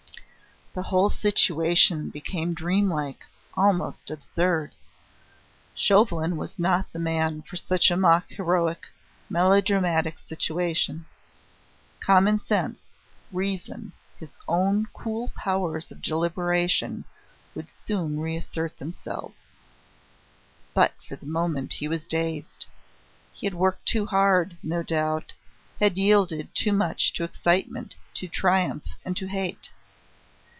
The whole situation became dreamlike, almost absurd. Chauvelin was not the man for such a mock heroic, melodramatic situation. Commonsense, reason, his own cool powers of deliberation, would soon reassert themselves. But for the moment he was dazed. He had worked too hard, no doubt; had yielded too much to excitement, to triumph, and to hate.